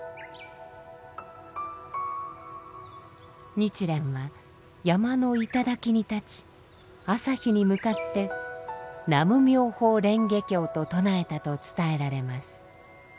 日蓮は山の頂に立ち朝日に向かって「南無妙法蓮華経」と唱えたと伝えられます。